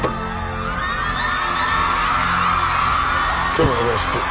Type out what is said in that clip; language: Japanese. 今日もよろしく。